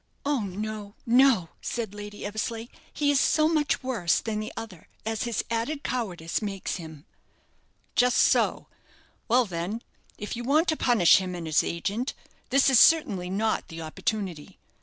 "Oh, no, no!" said Lady Eversleigh, "he is so much worse than the other as his added cowardice makes him." "Just so. Well, then, if you want to punish him and his agent, this is certainly not the opportunity.